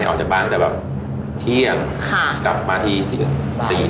แม่กลับมาปั๊บกัสไซค์กันเลยครับเป็นยังไงฮะขอให้เขาเลิก